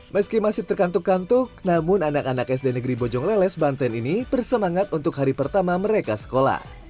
meski masih terkantuk kantuk namun anak anak sd negeri bojong leles banten ini bersemangat untuk hari pertama mereka sekolah